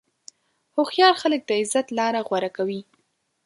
هوښیار خلک د عزت لاره غوره کوي.